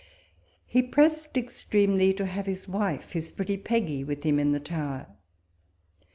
He pressed ex tremely to have his wife, his pretty Peggy, with him in the Tower.